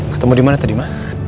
ketemu di mana tadi mah